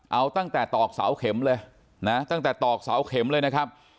เอาตั้งแต่ตอกเสาเข็มเลยนะตั้งแต่ตอกเสาเข็มเลยนะครับ